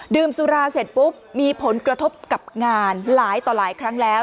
สุราเสร็จปุ๊บมีผลกระทบกับงานหลายต่อหลายครั้งแล้ว